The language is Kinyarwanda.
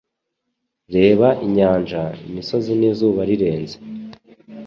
Reba inyanja, imisozi n'izuba rirenze